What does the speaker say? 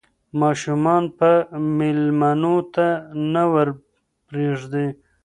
ماشومان به مېلمنو ته نه ور پرېږدي.